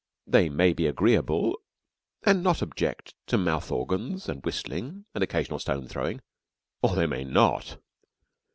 They may be agreeable and not object to mouth organs and whistling and occasional stone throwing, or they may not.